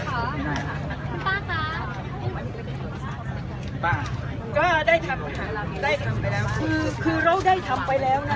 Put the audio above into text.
ก็ได้ทำได้ทำไปแล้วคือคือเราได้ทำไปแล้วน่ะ